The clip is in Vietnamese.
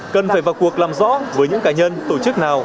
cần phải vào cuộc làm rõ với những cá nhân tổ chức nào